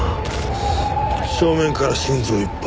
正面から心臓を一発。